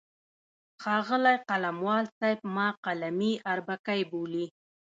ښاغلی قلموال صاحب ما قلمي اربکی بولي.